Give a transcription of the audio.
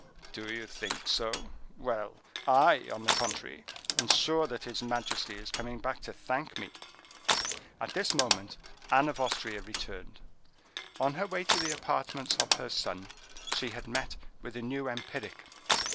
"Do you think so? Well, I, on the contrary, am sure that his majesty is coming to thank me." At this moment Anne of Austria returned. On her way to the apartments of her son she had met with a new empiric.